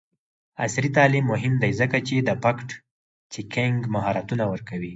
عصري تعلیم مهم دی ځکه چې د فکټ چیکینګ مهارتونه ورکوي.